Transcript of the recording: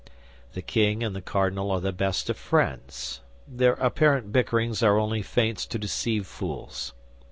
The king and the cardinal are the best of friends; their apparent bickerings are only feints to deceive fools.